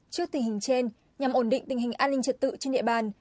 trước tình hình trên nhằm ổn định tình hình an ninh trật tự trên địa bàn